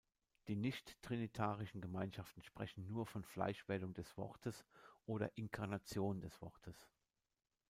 Die nicht-trinitarischen Gemeinschaften sprechen nur von "Fleischwerdung des Wortes" oder "Inkarnation des Wortes".